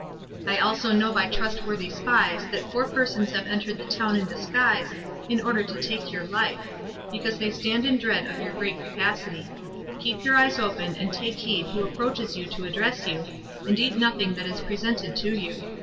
I also know by trustworthy spies that four persons have entered the town in disguise in order to take your life, because they stand in dread of your great capacity; keep your eyes open and take heed who approaches you to address you, and eat nothing that is presented to you.